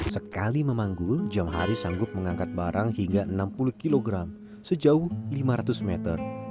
sekali memanggul jam hari sanggup mengangkat barang hingga enam puluh kg sejauh lima ratus meter